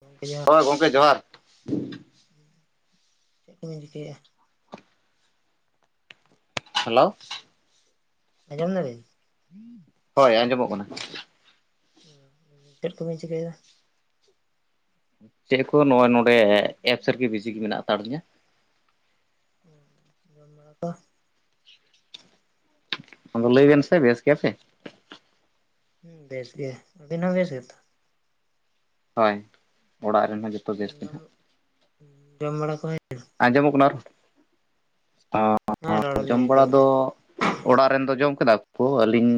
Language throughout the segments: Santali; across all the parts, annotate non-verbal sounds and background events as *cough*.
ᱜᱚᱝᱠᱮ ᱡᱟ ᱦᱳᱭ ᱜᱚᱝᱠᱮ ᱡᱚᱦᱟᱨ ᱪᱮᱜ ᱠᱚᱵᱤᱱ ᱪᱤᱠᱮᱭᱮᱜ-ᱟ? ᱦᱮᱞᱳ᱾ ᱟᱸᱡᱚᱢ ᱫᱟᱵᱤᱱ? ᱦᱳᱭ ᱟᱸᱡᱚᱢᱚᱜ ᱠᱟᱱᱟ᱾ ᱪᱮᱫ ᱠᱚᱵᱤᱱ ᱪᱤᱠᱟᱹᱭ ᱫᱟ? ᱪᱮᱫ ᱠᱚ ᱱᱚᱜ-ᱚᱭ ᱱᱚᱸᱰᱮ ᱮᱯᱥ ᱨᱮᱜᱤ ᱵᱮᱡᱤ ᱜᱤ ᱢᱮᱱᱟᱜ ᱦᱟᱛᱟᱲ ᱞᱤᱧᱟ᱾ ᱡᱚᱢ ᱵᱟᱲᱟ ᱠᱚ᱾ ᱟᱫᱚ ᱞᱟᱹᱭᱵᱮᱱ ᱥᱮ ᱵᱮᱥ ᱜᱮᱭᱟᱯᱮ? ᱦᱩᱸ ᱵᱮᱥ ᱜᱮ ᱟᱹᱵᱤᱱ ᱦᱚᱸ ᱵᱮᱥ ᱜᱮᱛᱚ᱾ ᱦᱳᱭ ᱚᱲᱟᱜ ᱨᱮᱱ ᱦᱚᱸ ᱡᱚ ᱡᱚᱢ ᱡᱚᱢ ᱵᱟᱲᱟ ᱠᱚ ᱦᱳᱭᱱᱟ᱾ ᱟᱸᱡᱚᱢᱚᱜ ᱠᱟᱱᱟ ᱚᱨ ᱨᱚᱲ *unintelligible* ᱡᱚᱢ ᱞᱤᱧ ᱵᱟᱲᱟ ᱫᱚ᱾ ᱟᱸᱡᱚᱢᱮᱫᱼᱟ ᱚᱲᱟᱜ ᱨᱮᱱ ᱫᱚ ᱡᱚᱢ ᱠᱮᱫᱟ ᱠᱩ ᱟᱹᱞᱤᱧ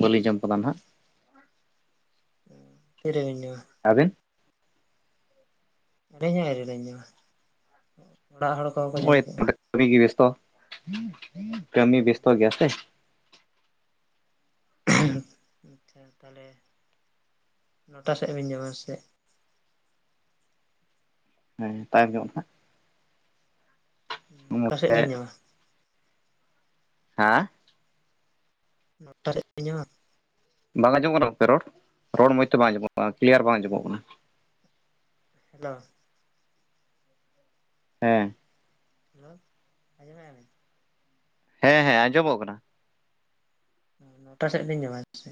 ᱵᱟᱹᱞᱤᱧ ᱡᱚᱢ ᱠᱟᱫᱟ ᱱᱷᱟᱜ᱾ ᱛᱤ ᱨᱮᱵᱤᱱ ᱡᱚᱢᱟ? ᱟᱵᱤᱱ᱾ ᱟᱞᱤᱧ ᱦᱚᱸ ᱟᱹᱣᱨᱤ ᱞᱤᱧ ᱡᱚᱢᱟ ᱚᱲᱟᱜ ᱦᱚᱲ ᱠᱚᱦᱚᱸ ᱠᱚ ᱡᱚᱢ ᱠᱮᱫᱟ᱾ ᱟᱹᱰᱤ ᱜᱤ ᱵᱮᱥᱛᱚ ᱠᱟᱹᱢᱤ ᱵᱮᱥᱛᱚ ᱜᱮᱭᱟ ᱥᱮ᱾ ᱟᱪᱪᱷᱟ ᱛᱟᱦᱞᱮ ᱱᱚᱴᱟ ᱥᱮᱜ ᱵᱮᱱ ᱡᱚᱢᱟ ᱥᱮ? ᱦᱮᱸ ᱛᱟᱭ ᱧᱚᱜ ᱱᱷᱟᱜ᱾ ᱱᱚᱴᱟ ᱥᱮᱜ ᱱᱚᱰᱮ ᱵᱮᱱ ᱡᱚᱢᱟ᱾ ᱦᱟᱸ᱾ ᱱᱚᱴᱟ ᱥᱮᱜ ᱵᱤᱱ ᱡᱚᱢᱟ᱾ ᱵᱟᱝ ᱟᱸᱡᱚᱢᱚᱜ ᱠᱟᱱᱟ ᱜᱚᱝᱠᱮ ᱨᱚᱲ ᱨᱚᱲ ᱢᱚᱸᱡᱽ ᱛᱚ ᱵᱟᱝ ᱟᱸᱚᱢᱚᱜ ᱠᱟᱱᱟ ᱠᱞᱤᱭᱟᱨ ᱵᱟᱝ ᱟᱸᱚᱢᱚᱜ ᱠᱟᱱᱟ᱾ ᱦᱮᱞᱳ᱾ ᱦᱮᱸ᱾ ᱦᱮᱞᱳ ᱟᱡᱚᱢᱮᱜ-ᱟ ᱵᱤᱱ? ᱦᱮᱸ ᱦᱮᱸ ᱟᱸᱡᱚᱢᱚᱜ ᱠᱟᱱᱟ᱾ ᱚ ᱱᱚᱴᱟ ᱥᱮᱫ ᱵᱤᱱ ᱡᱚᱢᱟ ᱥᱮ?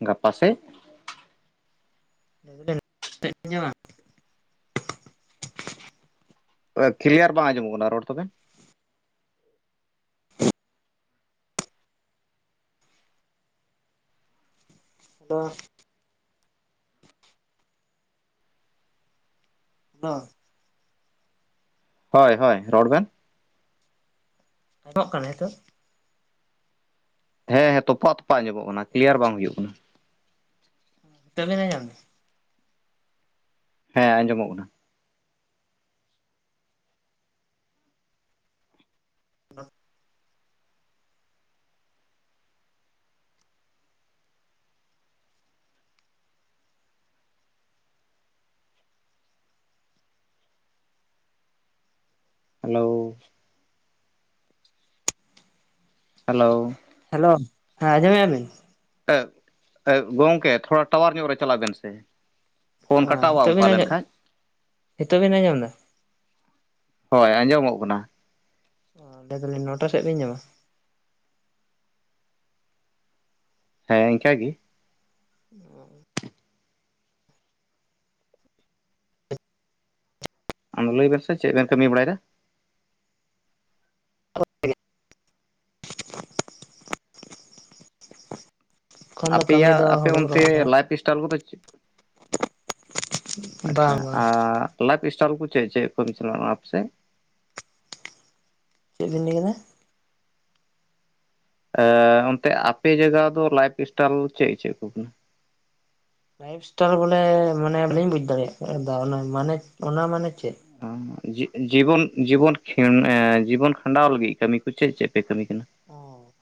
ᱜᱟᱯᱟ ᱥᱮᱫ? ᱞᱟᱹᱭ ᱫᱟᱞᱤᱧ *inaudible* ᱚ ᱠᱞᱤᱭᱟᱨ ᱵᱟᱝ ᱟᱸᱡᱚᱢᱚᱜ ᱠᱟᱱᱟ ᱨᱚᱲ ᱛᱟᱵᱮᱱ᱾ *inaudible* ᱦᱮᱞᱳ᱾ ᱦᱚᱭ ᱦᱚᱭ ᱨᱚᱲ ᱵᱮᱱ᱾ *inaudible* ᱠᱟᱱᱟ ᱦᱤᱛᱚᱜ? ᱦᱮᱸ ᱦᱮᱸ ᱛᱚᱯᱟᱜ ᱛᱚᱯᱟᱜ ᱟᱸᱡᱚᱢᱚᱜ ᱠᱟᱱᱟ ᱠᱞᱤᱭᱟᱨ ᱵᱟᱝ ᱦᱩᱭᱩᱜ ᱠᱟᱱᱟ᱾ ᱛᱳᱜ ᱵᱤᱱ ᱟᱸᱡᱚᱢ ᱫᱟ? ᱦᱮᱸ ᱟᱸᱡᱚᱢᱚᱜ ᱠᱟᱱᱟ᱾ *inaudible* ᱦᱮᱞᱳ᱾ ᱦᱮᱞᱳ᱾ ᱦᱮᱞᱳ, ᱦᱮᱸ ᱟᱸᱡᱚᱢᱮᱜ-ᱟ ᱵᱤᱱ? ᱮᱜ ᱮᱜ ᱜᱚᱢᱴᱝᱠᱮ ᱛᱷᱚᱲᱟ ᱴᱟᱣᱟᱨ ᱧᱚᱜ ᱨᱮ ᱪᱟᱞᱟᱜ ᱵᱮᱱ ᱥᱮ᱾ ᱯᱷᱳᱱ ᱠᱟᱴᱟᱣ-ᱟ ᱚᱱᱠᱟ ᱞᱮᱱᱠᱷᱟᱡ᱾ ᱦᱤᱛᱳᱜ ᱵᱤᱱ ᱟᱸᱡᱚᱢ ᱫᱟ? ᱦᱳᱭ ᱟᱸᱡᱚᱢᱚᱜ ᱠᱟᱱᱟ᱾ ᱚ ᱞᱟᱹᱭ ᱫᱟᱞᱤᱧ ᱱᱚᱴᱟ ᱥᱮᱫ ᱵᱤᱱ ᱡᱟᱢᱟ? ᱦᱮᱸ ᱤᱱᱠᱟᱹ ᱜᱮ᱾ ᱚ᱾ ᱚᱱᱟ ᱞᱟᱹᱭ ᱵᱮᱱ ᱥᱮ ᱪᱮᱫ ᱵᱮᱱ ᱠᱟᱹᱢᱤ ᱵᱟᱲᱟᱭᱮᱫᱟ? *inaudible* ᱮᱠᱷᱚᱱ ᱫᱚ ᱠᱟᱹᱢᱤ ᱟᱯᱮᱭᱟᱜ ᱫᱚ ᱟᱯᱮ ᱦᱩᱲᱩ ᱚᱱᱛᱮ ᱨᱚᱦᱚᱭ ᱪᱷᱟᱲᱟ ᱞᱟᱭᱤᱯᱷ ᱥᱴᱟᱭᱤᱞ ᱠᱚᱫᱚ ᱪᱮᱫ? ᱟᱪᱪᱷᱟ ᱵᱟᱝ ᱵᱟᱝ ᱟᱨ ᱞᱟᱭᱤᱯᱷ ᱥᱴᱟᱭᱤᱞ ᱠᱚ ᱪᱮᱫ ᱪᱮᱫ *unintelligible* ᱟᱯᱮ ᱥᱮᱫ? ᱪᱮᱫ ᱵᱤᱱ ᱞᱟᱹᱭ ᱠᱮᱫᱟ? ᱮ ᱚᱱᱛᱮ ᱟᱯᱮ ᱡᱟᱭᱜᱟ ᱫᱚ ᱞᱟᱭᱤᱯᱷ ᱥᱴᱟᱭᱤᱞ ᱪᱮᱫ ᱪᱮᱫ ᱠᱚ ᱠᱟᱱᱟ? ᱞᱟᱭᱤᱯᱷ ᱥᱴᱟᱞ ᱵᱚᱞᱮ ᱢᱟᱱᱮ ᱵᱟᱹᱧ ᱵᱩᱡᱷ ᱫᱟᱲᱮᱭᱟᱜ ᱮᱫᱟ ᱚᱱᱟ ᱢᱟᱱᱮ ᱚᱱᱟ ᱢᱟᱱᱮ ᱪᱮᱫ? ᱡᱤ ᱡᱤᱵᱚᱱ ᱡᱤᱵᱚᱱ ᱠᱷᱮᱱ ᱮᱸ ᱡᱤᱵᱚᱱ ᱠᱷᱟᱸᱰᱟᱣ ᱞᱟᱹᱜᱤᱫ ᱠᱟᱹᱢᱤ ᱠᱚ ᱪᱮᱫ ᱪᱮᱫ ᱯᱮ ᱠᱟᱹᱢᱤ ᱠᱟᱱᱟ? ᱚ,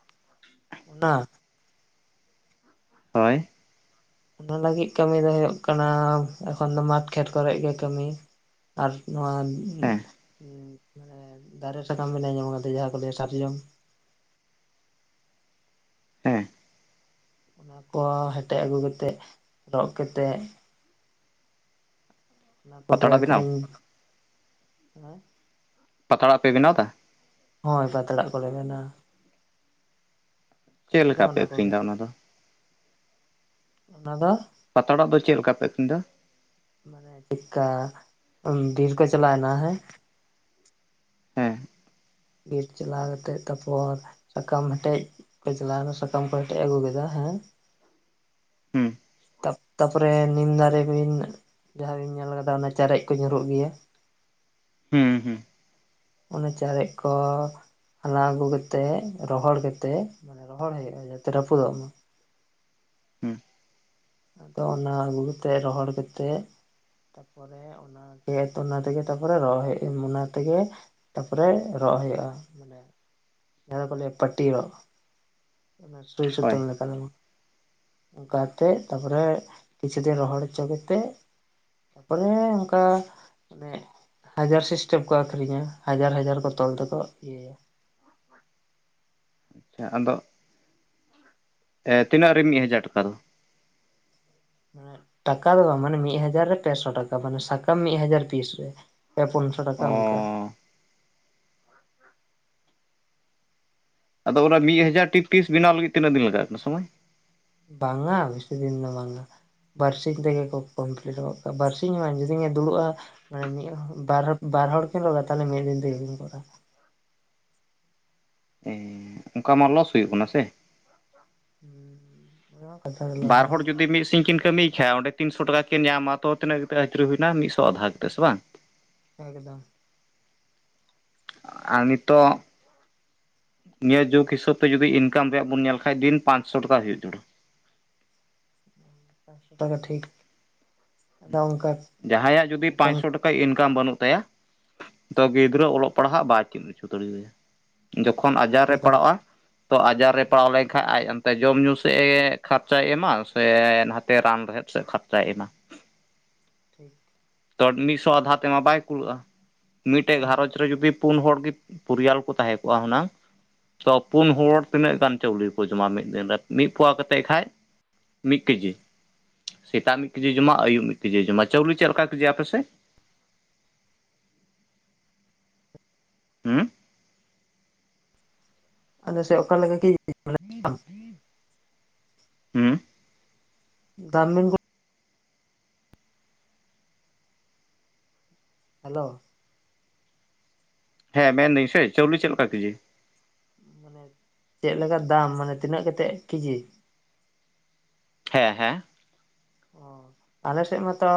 ᱚᱱᱟ? ᱦᱳᱭ᱾ ᱚᱱᱟ ᱞᱟᱹᱜᱤᱫ ᱠᱟᱹᱢᱤ ᱫᱚ ᱦᱩᱭᱩᱜ ᱠᱟᱱᱟ, ᱮᱠᱷᱚᱱ ᱫᱚ ᱢᱟᱴ ᱠᱷᱮᱛ ᱠᱚᱨᱮᱜ ᱜᱮ ᱠᱟᱹᱢᱤ᱾ ᱟᱨ ᱱᱚᱣᱟ ᱩ, ᱦᱮᱸ ᱩᱸ ᱢᱟᱱᱮ ᱫᱟᱨᱮ ᱥᱟᱠᱟᱢ *unintelligible* ᱠᱟᱛᱮᱫ ᱡᱟᱦᱟᱸ ᱠᱚ ᱞᱟᱹᱭᱟ ᱥᱟᱨᱡᱚᱢ᱾ ᱦᱮᱸ᱾ ᱚᱱᱟ ᱠᱚ ᱦᱮᱴᱮᱡ ᱟᱹᱜᱩ ᱠᱟᱛᱮᱜ, ᱨᱚᱜ ᱠᱟᱛᱮᱜ ᱚᱱᱟ ᱠᱚᱜᱮ ᱯᱟᱛᱲᱟ ᱵᱮᱱᱟᱣ ᱟᱹᱠᱷᱨᱤᱧ, ᱦᱮᱸ? ᱯᱟᱛᱲᱟᱜ ᱯᱮ ᱵᱮᱱᱟᱣ ᱫᱟ? ᱦᱳᱭ ᱯᱟᱛᱲᱟᱜ ᱠᱚᱞᱮ ᱵᱮᱱᱟᱣᱟ, ᱪᱮᱫ ᱠᱟᱹᱢᱤ ᱫᱚ ᱞᱮᱠᱟ ᱯᱮ ᱚᱱᱟ ᱟᱹᱠᱷᱨᱤᱧ ᱠᱚᱜᱮ᱾ ᱮᱫᱟ ᱚᱱᱟ ᱫᱚ ᱚᱱᱟ ᱫᱚ ᱯᱟᱛᱲᱟᱜ ᱫᱚ ᱪᱮᱫ ᱞᱮᱠᱟ ᱯᱮ ᱟᱹᱠᱷᱨᱤᱧ ᱫᱟ? ᱢᱟᱱᱮ ᱪᱮᱠᱠᱟ ᱵᱤᱨ ᱠᱚ ᱪᱟᱞᱟᱣᱱᱟ ᱦᱮᱸ ᱦᱮᱸ᱾ ᱵᱤᱨ ᱪᱟᱞᱟᱣ ᱠᱟᱛᱮᱜ ᱛᱟᱯᱚᱨ ᱥᱟᱠᱟᱢ ᱦᱮᱴᱮᱡ ᱠᱚ ᱪᱟᱞᱟᱣᱱᱟ ᱥᱟᱠᱟᱢ ᱠᱚ ᱦᱮᱴᱮᱡ ᱟᱹᱜᱩ ᱠᱮᱫᱟ ᱦᱮᱸ ᱾ ᱦᱩᱸ᱾ ᱛᱟ ᱛᱟᱯᱚᱨᱮ ᱱᱤᱢ ᱫᱟᱨᱮ ᱵᱤᱱ ᱡᱟᱦᱟᱸ ᱵᱤᱱ ᱧᱮᱞ ᱠᱟᱫᱟ ᱚᱱᱟ ᱪᱟᱨᱮᱡ ᱠᱚ ᱧᱩᱨᱩᱜ ᱜᱮᱭᱟ ᱾ ᱦᱩᱸ ᱦᱩᱸ᱾ ᱚᱱᱮ ᱪᱟᱨᱮᱡ ᱠᱚ ᱦᱟᱞᱟᱝ ᱟᱹᱜᱩ ᱠᱟᱛᱮᱜ ᱨᱚᱦᱚᱲ ᱠᱟᱛᱮᱜ ᱢᱟᱱᱮ ᱨᱚᱦᱚᱲ ᱦᱩᱭᱩᱜ-ᱟ ᱡᱟᱛᱮ ᱨᱟᱹᱯᱩᱫᱚᱜ ᱢᱟ᱾ ᱦᱩᱸ ᱟᱫᱚ ᱚᱱᱟ ᱟᱹᱜᱩ ᱠᱟᱛᱮᱫ ᱨᱚᱦᱚᱲ ᱠᱟᱛᱮᱫ ᱯᱚᱨᱮ ᱚᱱᱟ *unintelligible* ᱚᱱᱟ ᱛᱮᱜᱮ ᱛᱟᱨᱯᱚᱨᱮ ᱨᱚᱦᱚᱭ ᱚᱱᱟ ᱛᱮᱜᱮ ᱛᱟᱯᱚᱨᱮ ᱨᱚᱜ ᱦᱩᱭᱩᱜ-ᱟ ᱢᱟᱱᱮ ᱡᱟᱸᱦᱟ ᱫᱚᱠᱚ ᱞᱟᱹᱭᱟ ᱯᱟᱹᱴᱤ ᱨᱚᱜ ᱾ ᱥᱩᱭ ᱦᱳᱭ ᱥᱩᱛᱟᱹᱢ ᱞᱮᱠᱟ ᱫᱚ ᱵᱟᱝ, ᱚᱝᱠᱟ ᱛᱮᱫ ᱛᱟᱯᱚᱨᱮ ᱠᱤᱪᱷᱩ ᱫᱤᱱ ᱨᱚᱦᱚᱲ ᱪᱚ ᱠᱟᱛᱮᱜ ᱛᱟᱯᱚᱨᱮ ᱚᱝᱠᱟ ᱟᱱᱮ ᱦᱟᱡᱟᱨ ᱥᱤᱥᱴᱮᱢ ᱠᱚ ᱟᱠᱷᱨᱤᱧᱟ ᱦᱟᱡᱟᱨ ᱦᱟᱡᱟᱨ ᱠᱚ ᱛᱚᱞ ᱛᱮᱠᱚ ᱤᱭᱟᱹᱭᱟ ᱾ ᱟᱪᱪᱷᱟ ᱟᱫᱚ ᱮ ᱛᱤᱱᱟᱹᱜ ᱨᱮ ᱢᱤᱫ ᱦᱟᱡᱟᱨ ᱴᱟᱠᱟ ᱫᱚ? ᱢᱟᱱᱮ ᱴᱟᱠᱟ ᱫᱚ ᱵᱟᱝ ᱢᱟᱱᱮ ᱢᱤᱫ ᱦᱟᱡᱟᱨ ᱨᱮ ᱯᱮᱥᱚ ᱴᱟᱠᱟ ᱢᱟᱱᱮ ᱥᱟᱠᱟᱢ ᱢᱤᱫ ᱦᱟᱡᱟᱨ ᱯᱤᱥ ᱨᱮ ᱯᱮ ᱯᱩᱱᱥᱚ ᱴᱟᱠᱟ ᱚ ᱚᱝᱠᱟ ᱾ ᱟᱫᱚ ᱚᱱᱟ ᱢᱤᱫ ᱦᱟᱡᱟᱨ ᱴᱤ ᱯᱤᱥ ᱵᱮᱱᱟᱣ ᱞᱟᱹᱜᱤᱫ ᱛᱤᱱᱟᱹᱜ ᱫᱤᱱ ᱞᱟᱜᱟᱜ ᱠᱟᱱᱟ ᱥᱚᱢᱚᱭ? ᱵᱟᱝᱟ ᱵᱮᱥᱤ ᱫᱤᱱ ᱫᱚ ᱵᱟᱝᱟ ᱾ ᱵᱟᱹᱨᱥᱤᱧ ᱛᱮᱜᱮ ᱠᱚ ᱠᱚᱢᱯᱞᱤᱴ ᱜᱚᱫ ᱠᱟᱜ-ᱟ ᱵᱟᱹᱨᱥᱤᱧ ᱵᱟᱧ ᱡᱩᱫᱤᱧ ᱮ ᱫᱩᱲᱩᱵ-ᱟ ᱢᱟᱱᱮ ᱢᱤᱫ ᱦᱚ ᱵᱟᱨ ᱦᱚᱲ ᱵᱟᱨ ᱦᱚᱲ ᱠᱤᱱ ᱨᱚᱜ-ᱟ ᱛᱟᱦᱚᱞᱮ ᱢᱤᱫ ᱫᱤᱱ ᱛᱤᱜᱤ ᱠᱤᱱ ᱨᱚᱜᱟ᱾ ᱮ ᱚᱱᱠᱟ ᱢᱟ ᱞᱚᱥ ᱦᱩᱭᱩᱜ ᱠᱟᱱᱟ ᱥᱮ? *unintelligible* ᱚᱱᱟ ᱢᱟ ᱠᱟᱛᱷᱟ ᱜᱮᱞᱟ ᱵᱟᱨ ᱦᱚᱲ ᱡᱩᱫᱤ ᱢᱤᱫ ᱥᱤᱧ ᱠᱤᱱ ᱠᱟᱹᱢᱤᱭ ᱠᱷᱟᱡ ᱚᱸᱰᱮ ᱛᱤᱱᱥᱚ ᱴᱟᱠᱟ ᱠᱤᱱ ᱧᱟᱢᱟ ᱛᱚ ᱛᱤᱱᱟᱹᱜ ᱠᱟᱛᱮ ᱟᱹᱪᱩᱨᱤ ᱦᱩᱭᱱᱟ ᱢᱤᱫᱥᱚ ᱟᱫᱷᱟ ᱠᱟᱛᱮᱜ ᱥᱮ ᱵᱟᱝ? ᱮᱠᱫᱚᱢ ᱾ ᱟᱨ ᱱᱤᱛᱚᱜ ᱱᱤᱭᱟᱹ ᱡᱩᱜᱽ ᱦᱤᱥᱟᱹᱵ ᱛᱮ ᱡᱩᱫᱤ ᱤᱱᱠᱟᱢ ᱨᱮᱭᱟᱜ ᱵᱚᱱ ᱧᱮᱞ ᱠᱷᱟᱡ ᱫᱤᱱ ᱯᱟᱸᱪᱥᱚ ᱴᱟᱠᱟ ᱦᱩᱭᱩᱜ ᱡᱳᱲ᱾ ᱯᱟᱸᱪᱥᱚ ᱴᱟᱠᱟ ᱴᱷᱤᱠ ᱟᱫᱚ ᱚᱝᱠᱟ ᱡᱟᱦᱟᱸᱭᱟᱜ ᱡᱩᱫᱤ ᱚᱝᱠᱟᱞ *inaudible* ᱤᱱᱠᱟᱢ ᱵᱟᱹᱱᱩᱜ ᱛᱟᱭᱟ, ᱛᱚ ᱜᱤᱫᱽᱨᱟᱹ ᱚᱞᱚᱜ ᱯᱟᱲᱦᱟᱜ ᱵᱟᱭ ᱪᱤᱫ ᱦᱚᱪᱚ ᱫᱟᱲᱮᱣᱟᱭᱟ᱾ ᱡᱚᱠᱷᱚᱱ ᱟᱡᱟᱨ ᱨᱮ ᱮᱠᱫᱚᱢ ᱯᱟᱲᱟᱜ-ᱟ, ᱛᱚ ᱟᱡᱟᱨ ᱨᱮ ᱯᱟᱲᱟᱣ ᱞᱟᱹᱜᱤᱫ ᱮᱱᱠᱷᱟ ᱟᱡ ᱚᱱᱛᱮ ᱡᱚᱢ ᱧᱩ ᱥᱮᱫ ᱮ ᱠᱷᱚᱨᱪᱟᱭ ᱮᱢᱟ ᱥᱮ ᱱᱟᱛᱮ ᱨᱟᱱ ᱨᱮᱦᱮᱫ ᱥᱮᱫ ᱠᱷᱚᱨᱪᱟᱭ ᱮᱢᱟ ᱾ ᱴᱷᱤᱠ ᱛᱚ ᱢᱤᱫᱥᱚ ᱟᱫᱷᱟ ᱛᱮᱢᱟ ᱵᱟᱭ ᱠᱩᱲᱟᱹᱜ-ᱟ ᱢᱤᱫᱴᱮᱡ ᱜᱷᱟᱨᱚᱡ ᱨᱮ ᱡᱩᱫᱤ ᱯᱩᱱ ᱦᱚᱲ ᱜᱮ ᱯᱚᱨᱤᱭᱟᱞ ᱠᱚ ᱛᱟᱦᱮᱸ ᱠᱚᱜ-ᱟ ᱦᱩᱱᱟᱹᱝ, ᱛᱚ ᱯᱩᱱ ᱦᱚᱲ ᱛᱤᱱᱟᱹᱜ ᱜᱟᱱ ᱪᱟᱣᱞᱮ ᱠᱚ ᱡᱚᱢᱟ ᱢᱤᱫ ᱫᱤᱱ ᱨᱮ ᱢᱤᱫ ᱯᱳᱣᱟ ᱠᱟᱛᱮᱫ ᱠᱷᱟᱱ ᱢᱤᱫ ᱠᱮᱡᱤ ᱾ ᱥᱮᱛᱟᱜ ᱢᱤᱫ ᱠᱮᱡᱤ ᱡᱚᱢᱟ ᱟᱹᱭᱩᱵ ᱢᱤᱫ ᱠᱮᱡᱤ ᱡᱚᱢᱟ ᱪᱟᱣᱞᱮ ᱪᱮᱫ ᱞᱮᱠᱟ ᱠᱮᱡᱤ ᱟᱯᱮ ᱥᱮᱫ? ᱦᱩ ᱟᱫᱚ ᱥᱮᱫ ᱚᱠᱟᱮᱠᱟ ᱠᱮᱡᱤ *unintelligible* *unintelligible* ᱦᱩᱸ *inaudible* ᱦᱮᱞᱳ ᱦᱮᱸ ᱢᱮᱱᱫᱟᱹᱧ ᱥᱮ ᱪᱟᱣᱞᱮ ᱪᱮᱫ ᱞᱮᱠᱟ ᱠᱮᱡᱤ? ᱢᱟᱱᱮ ᱪᱮᱫ ᱞᱮᱠᱟ ᱫᱟᱢ ᱢᱟᱱᱮ ᱛᱤᱱᱟᱹᱜ ᱠᱟᱛᱮᱫ ᱠᱮᱡᱤ? ᱦᱮᱸ ᱦᱮᱸ ᱚ ᱟᱞᱮ ᱥᱮᱫ ᱢᱟᱛᱚ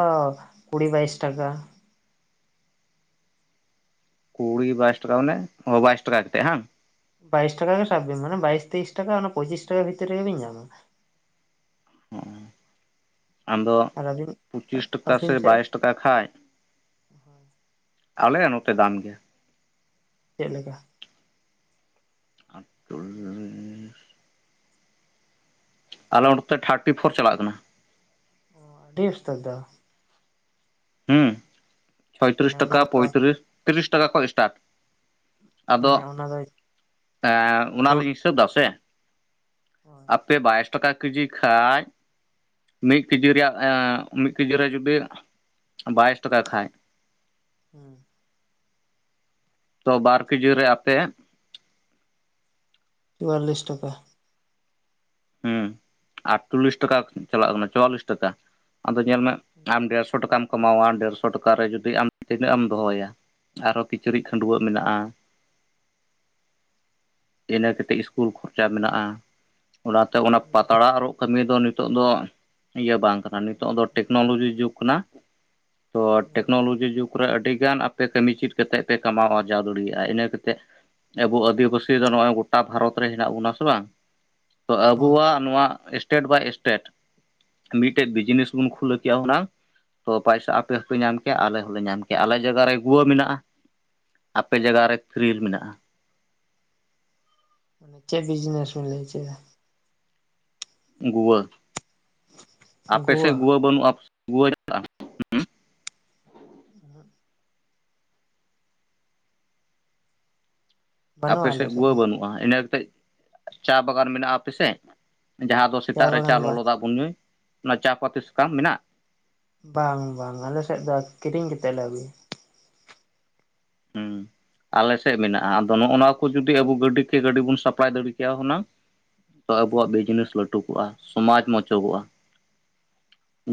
ᱠᱩᱲᱤ ᱵᱟᱭᱤᱥ ᱴᱟᱠᱟ ᱾ ᱠᱩᱲᱤ ᱵᱟᱭᱤᱥ ᱴᱟᱠᱟ ᱢᱟᱱᱮ ᱵᱟᱭᱤᱥ ᱴᱟᱠᱟ ᱠᱟᱛᱮᱫ ᱦᱮᱵᱟᱝ ᱾ ᱵᱟᱭᱤᱥ ᱴᱟᱠᱟ ᱨᱮᱜᱮ ᱥᱟᱵ ᱵᱤᱱ ᱢᱟᱱᱮ- ᱵᱟᱭᱤᱥ ᱛᱮᱭᱤᱥ ᱴᱟᱠᱟ, ᱚᱱᱟ ᱯᱚᱸᱪᱤᱥ ᱴᱟᱠᱟ ᱵᱷᱤᱛᱤᱨ ᱨᱮᱜᱮᱵᱤᱱ ᱧᱟᱢᱟ ᱾ ᱚ ᱟᱫᱚ ᱟᱨ ᱟᱹᱵᱤᱱ ᱯᱩᱪᱤᱥ ᱴᱟᱠᱟ ᱥᱮ ᱟᱹᱵᱤᱱ ᱥᱮᱫ ᱵᱟᱭᱤᱥ ᱴᱟᱠᱟ ᱠᱷᱟᱡ ᱟᱞᱮᱭᱟᱜ ᱱᱚᱛᱮ ᱫᱟᱢ ᱜᱮᱭᱟ᱾ ᱪᱮᱫ ᱞᱮᱠᱟ ᱟᱛᱚᱞ ᱟᱞᱮ ᱚᱱᱛᱮ ᱛᱷᱟᱨᱴᱤ ᱯᱷᱳᱨ ᱪᱟᱞᱟᱜ ᱠᱟᱱᱟ ᱾ ᱚ ᱟᱰᱤ ᱩᱥᱛᱟᱨ ᱫᱚ᱾ ᱦᱩᱸ ᱪᱷᱚᱭᱛᱨᱤᱥ ᱢᱟᱱᱮ ᱚᱱᱟ ᱴᱟᱠᱟ ᱴᱟᱠᱟ ᱫᱚ ᱯᱚᱸᱭᱛᱨᱤᱥ ᱛᱤᱨᱤᱥ ᱴᱟᱠᱟ ᱠᱚ ᱥᱴᱟᱨᱴ ᱟᱫᱚ ᱢᱟᱱᱮ ᱚᱱᱟ ᱫᱚ ᱵᱳᱰ ᱚᱱᱟᱞᱤᱥ ᱟᱹ ᱫᱟ ᱥᱮ ᱦᱳᱭ ᱟᱯᱮ ᱵᱟᱭᱤᱥ ᱴᱟᱠᱟ ᱠᱮᱡᱤ ᱠᱷᱟᱡ ᱢᱤᱫ ᱠᱮᱡᱤ ᱨᱮᱭᱟᱜ ᱢᱤᱫ ᱠᱮᱡᱤ ᱨᱮ ᱡᱩᱫᱤ ᱵᱟᱭᱤᱥ ᱴᱟᱠᱟ ᱠᱷᱟᱡ ᱦᱩᱸ᱾ ᱛᱚ ᱵᱟᱨ ᱠᱮᱡᱤ ᱨᱮ ᱟᱯᱮᱼᱼ ᱪᱩᱣᱟᱞᱞᱤᱥ ᱴᱟᱠᱟ᱾ ᱦᱮᱸ ᱟᱴᱪᱚᱞᱞᱤᱥ ᱴᱟᱠᱟ ᱪᱟᱞᱟᱜ ᱠᱟᱱᱟ ᱪᱩᱣᱟᱞᱤᱥ ᱴᱟᱠᱟ᱾ ᱟᱫᱚ ᱧᱮᱞ ᱢᱮ ᱟᱢ ᱰᱮᱲᱥᱚ ᱴᱟᱠᱟᱢ ᱠᱟᱢᱟᱣᱟ, ᱰᱮᱲᱥᱚ ᱴᱟᱠᱟ ᱨᱮ ᱡᱩᱫᱤ ᱟᱢ ᱛᱤᱱᱟᱹᱜ ᱮᱢ ᱫᱚᱦᱚᱭᱟ? ᱟᱨᱦᱚᱸ ᱠᱤᱪᱨᱤᱡ ᱠᱷᱟᱹᱰᱩᱣᱟᱹᱜ ᱢᱮᱱᱟᱜᱼᱟ᱾ *unintelligible* ᱤᱱᱟᱹ ᱠᱟᱛᱮᱫ ᱤᱥᱠᱩᱞ ᱠᱷᱚᱨᱪᱟ ᱢᱮᱱᱟᱜᱼᱟ᱾ ᱚᱱᱟᱛᱮ ᱚᱱᱟ ᱯᱟᱛᱲᱟ ᱨᱚᱜ ᱠᱟᱹᱢᱤ ᱫᱚ ᱱᱤᱛᱚᱜ ᱫᱚ ᱤᱭᱟᱹ ᱵᱟᱝ᱾ ᱱᱤᱛᱚᱜ ᱫᱚ ᱴᱮᱠᱱᱳᱞᱚᱡᱤ ᱡᱩᱜᱽ ᱠᱟᱱᱟ, ᱛᱚ ᱴᱮᱠᱱᱳᱞᱚᱡᱤ ᱡᱩᱜ, ᱯᱨᱟᱭ ᱟᱹᱰᱤᱜᱟᱱ ᱟᱯᱮ ᱠᱟᱹᱢᱤ ᱪᱮᱫ ᱠᱟᱛᱮᱫ ᱯᱮ ᱠᱟᱢᱟᱣ ᱟᱨᱡᱟᱣ ᱫᱟᱲᱮᱭᱟᱜᱼᱟ ᱤᱱᱟᱹ ᱠᱟᱛᱮᱫᱼᱼ ᱟᱵᱚ ᱟᱹᱫᱤᱵᱟᱹᱥᱤ ᱫᱚ ᱱᱚᱜ ᱚᱭ ᱜᱚᱴᱟ ᱵᱷᱟᱨᱚᱛ ᱨᱮ ᱦᱮᱱᱟᱜ ᱵᱚᱱᱟ ᱥᱮ ᱵᱟᱝ? ᱛᱚ ᱚ ᱟᱵᱚᱣᱟᱜ ᱱᱚᱣᱟ ᱥᱴᱮᱴ ᱵᱟᱭ ᱥᱴᱮᱴ ᱢᱤᱫᱴᱮᱡ ᱵᱤᱡᱽᱱᱮᱥ ᱵᱚᱱ ᱠᱷᱩᱞᱟᱹᱣ ᱠᱮᱜᱼᱟ ᱦᱩᱱᱟᱹᱝ᱾ ᱛᱚ ᱯᱚᱭᱥᱟ ᱟᱯᱮ ᱦᱚᱸᱯᱮ ᱧᱟᱢ ᱠᱮᱭᱟ ᱟᱞᱮ ᱦᱚᱸᱞᱮ ᱧᱟᱢ ᱠᱮᱭᱟ ᱟᱞᱮ ᱡᱟᱭᱜᱟ ᱨᱮ ᱜᱩᱣᱟᱹ ᱢᱮᱱᱟᱜᱼᱟ᱾ ᱟᱯᱮ ᱡᱟᱭᱜᱟ ᱨᱮ ᱯᱷᱤᱨᱤᱞ ᱢᱮᱱᱟᱜᱼᱟ᱾ ᱢᱟᱱᱮ ᱪᱮᱫ ᱵᱤᱡᱱᱮᱥ ᱵᱤᱱ ᱞᱟᱹᱭ ᱦᱚᱪᱚᱭᱮᱫᱟ? ᱜᱩᱣᱟᱹ ᱟᱯᱮ ᱥᱮᱫ ᱜᱩᱣᱟ ᱜᱩᱣᱟᱹ ᱵᱟᱹᱱᱩᱜᱼᱟ ᱜᱩᱣᱟᱹ ᱪᱟᱞᱟᱜᱼᱟ᱾ ᱚᱦᱩᱜ᱾ ᱟᱯᱮ ᱵᱟᱹᱱᱩᱜᱼᱟ ᱟᱞᱮ ᱥᱮᱫ ᱜᱩᱣᱟᱹ ᱫᱚ ᱵᱟᱹᱱᱩᱜᱼᱟ ᱤᱱᱟᱹᱛᱮᱫ ᱪᱟ ᱵᱟᱜᱟᱱ ᱢᱮᱱᱟᱜᱼᱟ ᱟᱯᱮᱥᱮᱫ? ᱡᱟᱦᱟᱸ ᱫᱚ ᱥᱮᱛᱟᱜ ᱨᱮ ᱵᱟᱜᱟᱱ ᱪᱟ ᱞᱚᱞᱚ ᱵᱟᱝ ᱫᱟᱜ ᱵᱚᱱ ᱧᱩᱭ, ᱚᱱᱟ ᱪᱟ ᱯᱟᱹᱛᱤ ᱥᱟᱠᱟᱢ ᱢᱮᱱᱟᱜ-ᱟ? ᱵᱟᱝ ᱵᱟᱝ ᱟᱞᱮ ᱥᱮᱫ ᱫᱚ ᱠᱤᱨᱤᱧ ᱠᱟᱛᱮᱜ ᱞᱮ ᱟᱹᱜᱩᱭᱟ ᱾ ᱦᱩᱸ *unintelligible* ᱟᱞᱮ ᱥᱮᱫ ᱢᱮᱱᱟᱜᱼᱟ ᱟᱫᱚ ᱱᱚᱜᱼᱚ ᱱᱚᱣᱟ ᱠᱚ ᱡᱩᱫᱤ ᱟᱵᱚ ᱜᱟᱹᱰᱤ ᱠᱮ ᱜᱟᱹᱰᱤ ᱵᱚᱱ ᱥᱟᱯᱞᱟᱭ ᱫᱟᱲᱮ ᱠᱮᱭᱟ ᱦᱩᱱᱟᱹᱝ᱾ ᱛᱚ ᱟᱵᱚᱣᱟᱜ ᱦᱳᱭ ᱵᱤᱡᱽᱱᱮᱥ ᱞᱟᱹᱴᱩ ᱠᱚᱜᱼᱟ ᱥᱚᱢᱟᱡᱽ ᱢᱚᱪᱚᱜᱚᱜᱼᱟ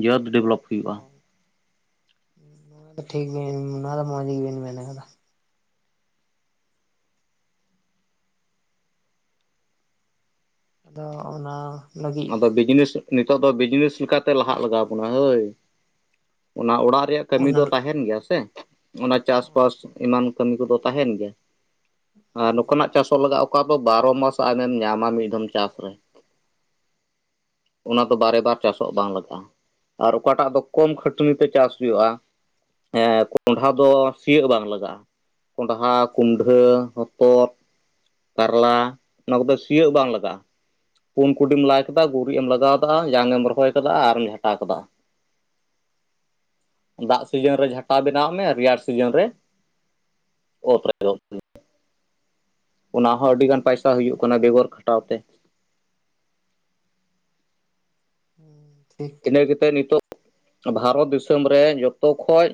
ᱡᱟᱹᱛ ᱰᱮᱵᱷᱞᱚᱯ ᱦᱩᱭᱩᱜᱼᱟ ᱱᱚᱣᱟ ᱴᱷᱤᱠ ᱱᱚᱣᱟ ᱫᱚ ᱢᱚᱸᱡᱽ ᱜᱮ ᱵᱮᱱ ᱢᱮᱱ ᱟᱠᱟᱫᱟ᱾ ᱟᱫᱚ ᱚᱱᱟ ᱞᱟᱹᱜᱤᱫ ᱟᱫᱚ ᱵᱤᱡᱤᱱᱮᱥ᱾ ᱱᱤᱛᱚᱜ ᱫᱚ ᱵᱤᱡᱽᱱᱮᱥ ᱞᱮᱠᱟᱛᱮ ᱞᱟᱦᱟᱜ ᱞᱟᱜᱟᱣ ᱵᱚᱱᱟ ᱦᱳᱭ, ᱚᱱᱟ ᱚᱲᱟᱜ ᱨᱮᱭᱟᱜ ᱠᱟᱹᱢᱤ ᱚᱱᱟ ᱫᱚ ᱛᱟᱦᱮᱱ ᱜᱮᱭᱟ ᱥᱮ ᱚᱱᱟ ᱦᱳᱭ ᱪᱟᱥᱵᱟᱥ ᱮᱢᱟᱱ ᱠᱟᱹᱢᱤ ᱠᱚᱫᱚ ᱛᱟᱦᱮᱱ ᱜᱮᱭᱟ᱾ ᱟᱨ ᱦᱩᱸ ᱱᱚᱝᱠᱟᱱᱟᱜ ᱪᱟᱥᱚᱜ ᱞᱟᱜᱟᱜᱼᱟ ᱚᱠᱟ ᱫᱚ ᱵᱟᱨᱚ ᱢᱟᱥ ᱟᱢᱮᱢ ᱧᱟᱢᱟ ᱢᱤᱫᱦᱚᱢ ᱪᱟᱥ ᱨᱮ᱾ ᱚᱱᱟ ᱫᱚ ᱵᱟᱨᱮ ᱵᱟᱨ ᱪᱟᱥᱚᱜ ᱵᱟᱝ ᱞᱟᱜᱟᱜᱼᱟ ᱟᱨ ᱚᱠᱟᱴᱟᱜ ᱫᱚ ᱠᱚᱢ ᱠᱷᱟᱹᱴᱟᱹᱱᱤ ᱛᱮ ᱪᱟᱥ ᱦᱩᱭᱩᱜᱼᱟ᱾ ᱦᱮᱸᱻ ᱠᱚᱸᱰᱷᱟ ᱫᱚ ᱥᱤᱭᱳᱜ ᱵᱟᱝ ᱞᱟᱜᱟᱜᱼᱟ᱾ ᱠᱚᱸᱰᱷᱟ, ᱠᱩᱢᱰᱷᱟᱹ ᱦᱚᱛᱚᱫ᱾ ᱠᱟᱨᱞᱟ ᱚᱱᱟ ᱠᱚᱫᱚ ᱥᱤᱭᱳᱜ ᱵᱟᱝ ᱞᱟᱜᱟᱜᱼᱟ᱾ ᱯᱩᱱ ᱠᱩᱰᱤᱢ ᱞᱟᱭ ᱠᱮᱫᱟ ᱜᱩᱨᱤᱡ ᱮᱢ ᱞᱟᱜᱟᱣ ᱠᱮᱫᱟ ᱡᱟᱝᱢ ᱨᱚᱦᱚᱭ ᱠᱟᱫᱟ ᱟᱨᱮᱢ ᱡᱷᱟᱴᱟ ᱠᱮᱫᱟ ᱾ ᱫᱟᱜ ᱥᱤᱡᱤᱱ ᱨᱮ ᱡᱷᱟᱴᱟᱣ ᱵᱮᱱᱟᱣᱟᱜ ᱢᱮ ᱨᱮᱭᱟᱲ ᱥᱤᱡᱤᱱ ᱨᱮ *unintelligible* ᱚᱱᱟ ᱦᱚᱸ ᱟᱹᱰᱤ ᱜᱟᱱ ᱯᱟᱭᱥᱟ ᱦᱩᱭᱩᱜ ᱠᱟᱱᱟ ᱵᱮᱜᱚᱨ ᱠᱷᱟᱴᱟᱣ ᱛᱮ ᱾ *unintelligible* ᱛᱮ ᱱᱤᱛᱚᱜ ᱵᱷᱟᱨᱚᱛ ᱫᱤᱥᱚᱢ ᱨᱮ ᱡᱚᱛᱚ ᱠᱷᱚᱡ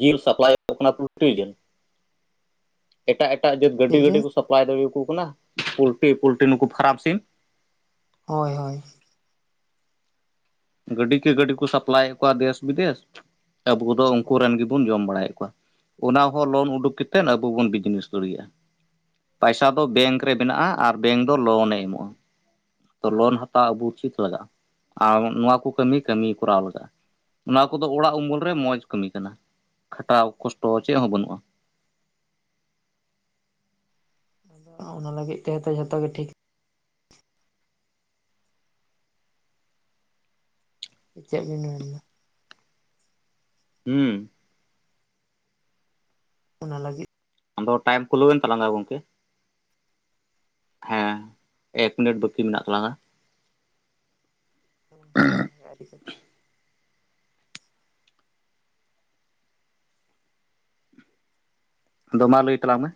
ᱡᱤᱞ ᱥᱟᱯᱞᱟᱭᱚᱜ ᱠᱟᱱᱟ ᱯᱩᱞᱴᱤ ᱡᱤᱞ᱾ ᱮᱴᱟᱜ ᱮᱴᱟᱜ ᱡᱟᱹᱛ ᱜᱟᱹᱰᱤ ᱪᱮᱫ ᱡᱮ ᱜᱟᱹᱰᱤ ᱠᱚ ᱥᱟᱯᱞᱟᱭ ᱫᱟᱲᱮᱭᱟᱠᱚ ᱠᱟᱱᱟ ᱯᱩᱞᱴᱤ ᱯᱚᱞᱴᱤ ᱱᱩᱠᱩ ᱯᱷᱟᱨᱟᱯ ᱥᱤᱢ᱾ ᱦᱳᱭ ᱦᱳᱭ᱾ ᱜᱟᱹᱰᱤ ᱠᱮ ᱜᱟᱹᱰᱤ ᱠᱚ ᱥᱟᱯᱞᱟᱭᱮᱫ ᱠᱚᱣᱟ ᱫᱮᱥ ᱵᱤᱫᱮᱥ ᱾ ᱟᱵᱚ ᱫᱚ ᱩᱱᱠᱩ ᱨᱮᱱ ᱜᱮᱵᱚᱱ ᱡᱚᱢ ᱵᱟᱲᱟᱭᱮᱫ ᱠᱚᱣᱟ ᱾ ᱚᱱᱟ ᱦᱚᱸ ᱞᱳᱱ ᱩᱰᱩᱠ ᱠᱟᱛᱮᱫ ᱟᱵᱚ ᱵᱚᱱ ᱵᱤᱡᱽᱱᱮᱥ ᱫᱟᱲᱮᱭᱟᱜᱼᱟ ᱾ ᱯᱟᱭᱥᱟ ᱫᱚ ᱵᱮᱝᱠ ᱨᱮ ᱵᱮᱱᱟᱜᱼᱟ ᱟᱨ ᱵᱮᱝᱠ ᱫᱚ ᱞᱳᱱ ᱮ ᱮᱢᱚᱜᱼᱟ ᱾ ᱛᱚ ᱞᱳᱱ ᱦᱟᱛᱟᱣ ᱟᱜᱩ ᱩᱪᱤᱫ ᱞᱟᱜᱼᱟ ᱟᱨ ᱱᱚᱣᱟ ᱠᱚ ᱠᱟᱹᱢᱤ ᱠᱟᱹᱢᱤ ᱠᱚᱨᱟᱣ ᱞᱟᱜᱟᱜ-ᱟ ᱾ ᱚᱱᱟ ᱠᱚᱫᱚ ᱚᱲᱟᱜ ᱩᱢᱩᱞ ᱨᱮ ᱢᱚᱸᱡᱽ ᱠᱟᱹᱢᱤ ᱠᱟᱱᱟ ᱠᱷᱟᱴᱟᱣ ᱠᱚᱥᱴᱚ ᱪᱮᱫ ᱦᱚᱸ ᱵᱟᱹᱱᱩᱜᱼᱟ ᱾ ᱟᱫᱚ ᱚᱱᱟ ᱞᱟᱹᱜᱤᱫ ᱛᱮ ᱫᱚ ᱡᱷᱚᱛᱚ ᱜᱮ ᱴᱷᱤᱠ ᱪᱮᱫ ᱵᱤᱱ ᱢᱮᱱ ᱫᱟ? ᱦᱩᱸ᱾ ᱚᱱᱟᱞᱟᱜᱤᱫ ᱟᱫᱚ ᱴᱟᱭᱤᱢ ᱠᱷᱩᱞᱟᱹᱣᱮᱱ ᱛᱟᱞᱟᱝᱟ ᱜᱚᱝᱠᱮ᱾ ᱦᱮᱸ ᱮᱠ ᱢᱤᱱᱤᱴ ᱵᱟᱹᱠᱤ ᱢᱮᱱᱟᱜ ᱛᱟᱞᱟᱝᱼᱟ ᱾ *unintelligible* ᱟᱫᱚ ᱢᱟ ᱞᱟᱹᱭ ᱛᱟᱞᱟᱝ ᱢᱮ᱾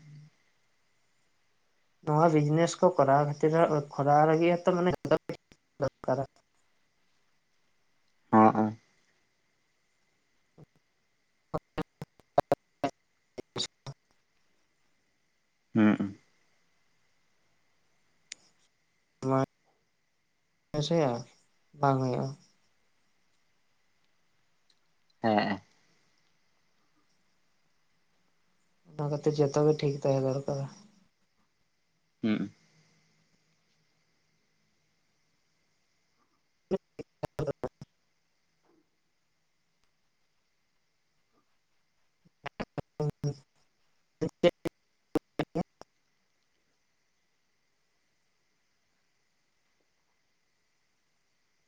ᱱᱚᱣᱟ ᱵᱤᱡᱽᱱᱮᱥ ᱠᱚ ᱠᱚᱨᱟᱣ ᱠᱷᱟᱹᱛᱤᱨ ᱠᱚᱨᱟᱣ ᱞᱟᱹᱜᱤᱫᱛᱚ ᱢᱟᱱᱮ *unintelligible* ᱫᱚᱨᱠᱟᱨᱟ ᱾ ᱦᱚᱸᱼᱚ᱾ *inaudible* ᱦᱮᱸ᱾ *unintelligible* ᱵᱟᱝ ᱦᱩᱭᱩᱜᱼᱟ᱾ ᱦᱮᱸ᱾ ᱚᱱᱟ ᱠᱷᱟᱛᱤᱨ ᱡᱚᱛᱚ ᱜᱮ ᱴᱷᱤᱠ ᱛᱟᱦᱮᱸ ᱫᱚᱨᱠᱟᱨᱟ᱾ ᱦᱩᱸ *inaudible* *unintelligible*